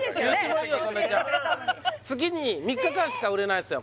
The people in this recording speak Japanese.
曽根ちゃん月に３日間しか売れないんですよ